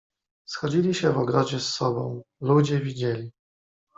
"Schodzili się w ogrodzie z sobą... ludzie widzieli."